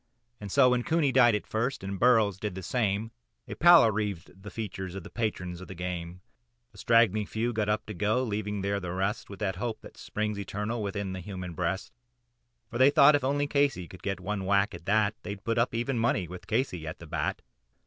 And so, when Cooney died at first, and Burrows did the same, A pallor wreathed the features of the patrons of the game. A straggling few got up to go, leaving there the rest, With that hope which springs eternal within the human breast. For they thought if only Casey could get a whack at that, They'd put up even money with Casey at the bat.